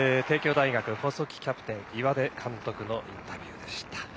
帝京大学細木キャプテン、岩出監督のインタビューでした。